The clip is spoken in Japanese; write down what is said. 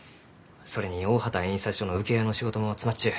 それに大畑印刷所の請負の仕事も詰まっちゅう。